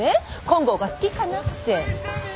金剛が好きかなって。